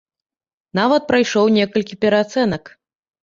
Нават прайшоў некалькі пераацэнак.